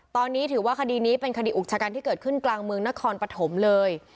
ตอนนี้ถือว่าคดีนี้เป็นคดีอุกชะกันที่เกิดขึ้นกลางเมืองนครปฐมเลย